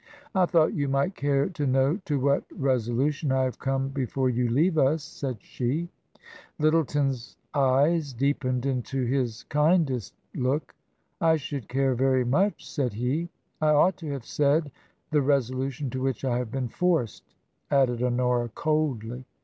" I thought you might care to know to what resolu tion I have come before you leave us," said she. TRANSITION. 69 Lyttleton's eyes deepened into his kindest look. " I should care very much," said he. " I ought to have said the resolution to which I have been forced," added Honora, coldly.